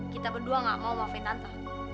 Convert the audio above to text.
kita berdua gak mau maafin tante